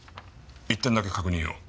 １点だけ確認を。